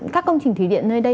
các công trình thủy điện nơi đây